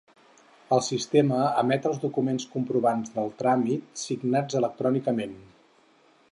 El sistema emet els documents comprovants del tràmit, signats electrònicament.